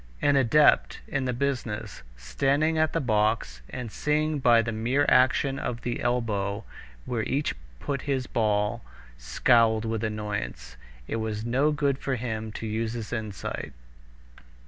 An adept in the business, standing at the box and seeing by the mere action of the elbow where each put his ball, scowled with annoyance. It was no good for him to use his insight.